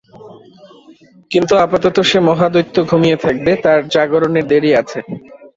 কিন্তু আপাতত সে মহাদৈত্য ঘুমিয়ে থাকবে, তার জাগরণের দেরী আছে।